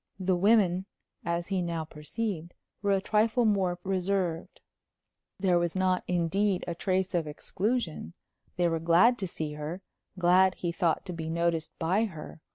The women, as he now perceived, were a trifle more reserved. There was not, indeed, a trace of exclusion. They were glad to see her; glad, he thought, to be noticed by her.